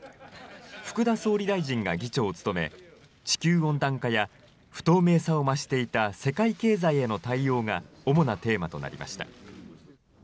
福田総理大臣が議長を務め、地球温暖化や不透明さを増していた世界経済への対応が主なテーマとなりました。